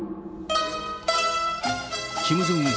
キム・ジョンウン